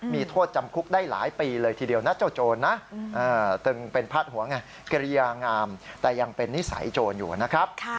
มีโทษจำคุกได้หลายปีเลยทีเดียวนะเจ้าโจรนะตึงเป็นพาดหัวไงเกรียงามแต่ยังเป็นนิสัยโจรอยู่นะครับ